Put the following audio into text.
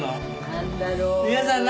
何だろう。